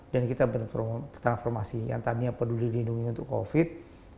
dan kita berterformasi yang tadinya peduli lindungi untuk covid